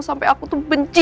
sampai aku tuh benci